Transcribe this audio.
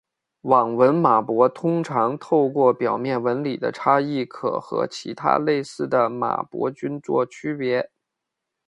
网纹马勃通常透过表面纹理的差异可和其他类似的马勃菌作区别。